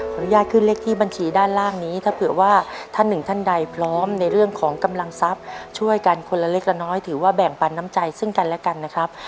อนุญาตขึ้นเลขที่บัญชีด้านล่างนี้ถ้าเผื่อว่าท่านหนึ่งท่านใดพร้อมในเรื่องของกำลังทรัพย์ช่วยกันคนละเล็กละน้อยถือว่าแบ่งปันน้ำใจซึ่งกันและกันนะครับ